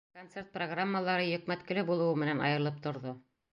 — Концерт программалары йөкмәткеле булыуы менән айырылып торҙо.